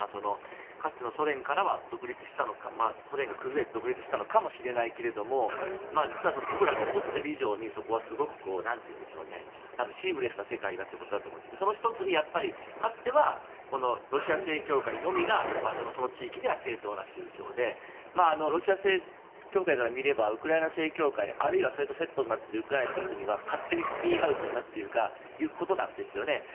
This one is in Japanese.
かつてのソ連からは独立したのかソ連が崩れて独立したのかもしれないけど実は僕らが思っている以上にそこはすごくシームレスな世界だということだと思っていてその１つにかつてはロシア正教会のみがその地域では正当な宗教でロシア正教会から見ればウクライナ正教会あるいはそれとセットになっているウクライナという国は勝手にスピンアウトしたということですよね。